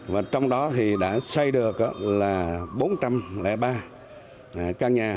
và trong đó thì đã xây được là bốn trăm linh ba căn nhà